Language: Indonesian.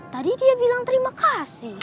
tadi dia bilang terima kasih